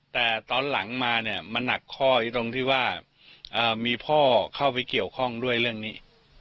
แต่ตอนหลังมาเนี่ยมันหนักข้ออยู่ตรงที่ว่ามีพ่อเข้าไปเกี่ยวข้องด้วยเรื่องนี้